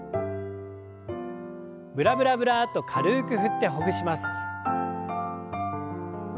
ブラブラブラッと軽く振ってほぐします。